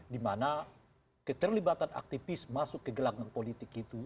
dimana keterlibatan aktivis masuk ke gelanggang politik itu